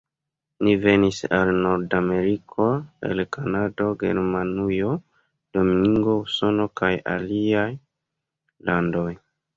Ni venis al Nord-Ameriko el Kanado, Germanujo, Domingo, Usono, kaj aliaj landoj.